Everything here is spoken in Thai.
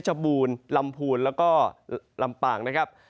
เพชบูรณ์ลำภูรณ์แล้วก็ลำป่างนะครับ